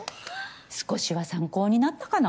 少しは参考になったかな？